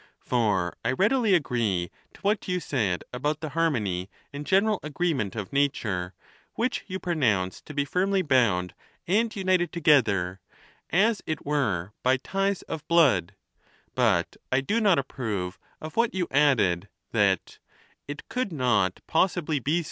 For I readily agree to what you said about the harmony and general agreement of nature, which you pronounced to be firmly bound and united together, as it were, by ties of blood ; but I do not approve of what you added, that " it could not possibly be.